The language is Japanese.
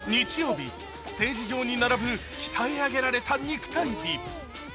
日曜日、ステージ上に並ぶ鍛え上げられた肉体美。